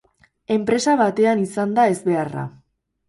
Enpresa batean izan da ezbeharra.